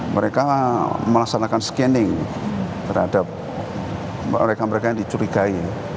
mereka melaksanakan scanning terhadap mereka mereka yang dicurigai